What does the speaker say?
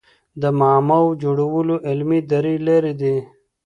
د معماوو جوړولو علمي درې لاري دي.